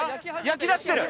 焼きだしてる。